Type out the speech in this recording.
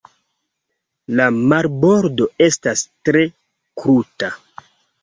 La marbordo estas tre kruta.